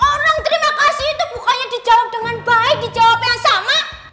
orang terima kasih itu bukanya dijawab dengan baik dijawab yang sama